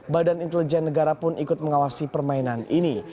badan intelijen negara pun ikut mengawasi permainan ini